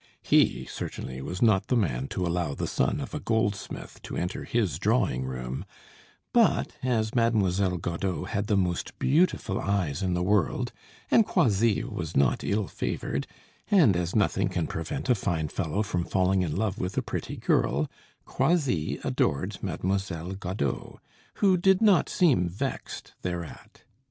He certainly was not the man to allow the son of a goldsmith to enter his drawing room; but, as Mademoiselle Godeau had the most beautiful eyes in the world, and Croisilles was not ill favored, and as nothing can prevent a fine fellow from falling in love with a pretty girl, Croisilles adored Mademoiselle Godeau, who did not seem vexed thereat.